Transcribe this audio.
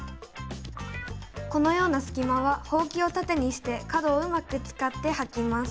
このようなすき間はほうきをたてにして角をうまく使ってはきます。